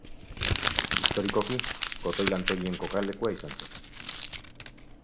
Historikoki, kotoi lantegien kokalekua izan zen.